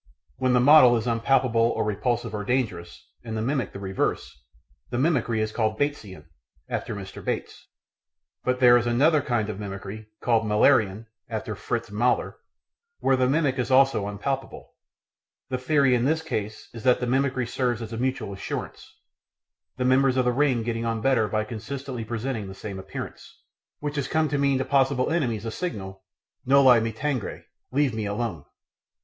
When the model is unpalatable or repulsive or dangerous, and the mimic the reverse, the mimicry is called "Batesian" (after Mr. Bates), but there is another kind of mimicry called Müllerian (after Fritz Müller) where the mimic is also unpalatable. The theory in this case is that the mimicry serves as mutual assurance, the members of the ring getting on better by consistently presenting the same appearance, which has come to mean to possible enemies a signal, Noli me tangere ("Leave me alone").